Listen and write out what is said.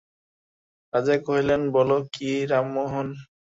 রাজা কহিলেন, বল কী রামমোহন।